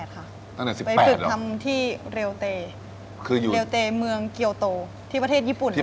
ตั้งแต่๑๘เหรอไปฝึกทำที่เรียวเตคือเรียวเตเมืองเกียวโตที่ประเทศญี่ปุ่นเลย